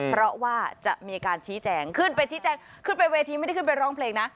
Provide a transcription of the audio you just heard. เพราะว่าจะมีการชี้แจงขึ้นไปชี้แจงขึ้นไปเวทีไม่ได้ขึ้นไปร้องเพลงนะ